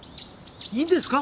いいんですか？